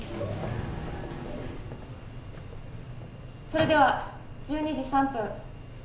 それでは１２時３分。